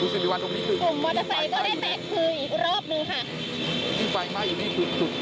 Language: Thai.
สิริวัลทรงนี้คืออีกน้อยฟันไฟอีกนิดคุณไปหลังทางอีกนิด